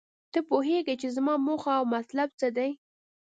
ته پوهیږې چې زما موخه او مطلب څه دی